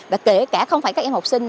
và kể cả không phải các em học sinh